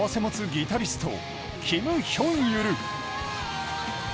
ギタスリト、キム・ヒョンユル。